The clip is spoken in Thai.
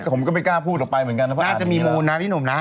ผมก็ไม่กล้าพูดออกไปเหมือนกันนะเพราะน่าจะมีมูลนะพี่หนุ่มนะ